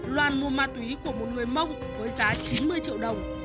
loan mua ma túy của một người mông với giá chín mươi triệu đồng